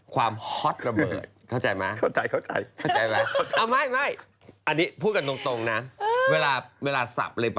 ความความเซ๊กกระเบิด